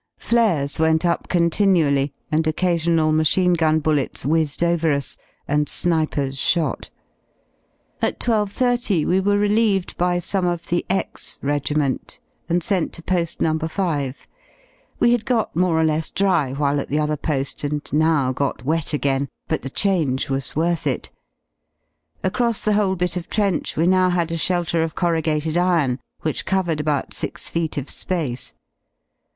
Flares went up continually, and occasional machine gun bullets whizzed over us, and snipers shot. Ati2.30wewererelievedbysomeoftheX regiment and sent to Po^ No. 5. We had got more or less dry while at the other po^, and now got wet again, but the change was worth it. Across the whole bit of trench we now had a shelter of corrugated iron, which covered about six feet of space.